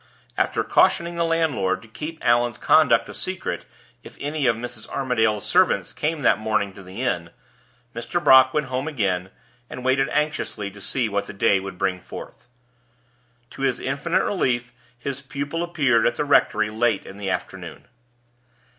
After cautioning the landlord to keep Allan's conduct a secret if any of Mrs. Armadale's servants came that morning to the inn, Mr. Brock went home again, and waited anxiously to see what the day would bring forth. To his infinite relief his pupil appeared at the rectory late in the afternoon.